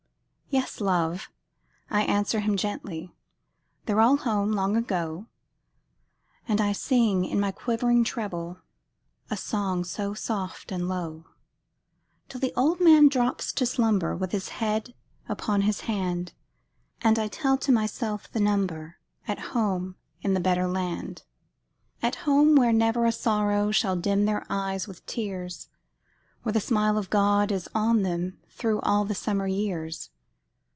"Yes, love!" I answer him gently, "They're all home long ago;" And I sing, in my quivering treble, A song so soft and low, Till the old man drops to slumber, With his head upon his hand, And I tell to myself the number At home in the better land. At home, where never a sorrow Shall dim their eyes with tears! Where the smile of God is on them Through all the summer years!